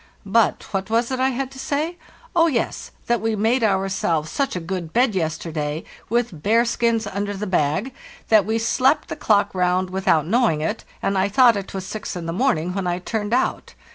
"But what was it I had to say? Oh yes, that we made ourselves such a good bed yesterday with bear skins under the bag; that we slept the clock round with out knowing it, and I thought it was six in the morn ing when I turned out.